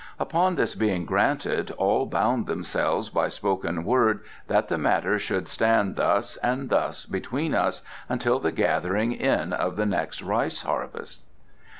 Upon this being granted all bound themselves by spoken word that the matter should stand thus and thus between us until the gathering in of the next rice harvest."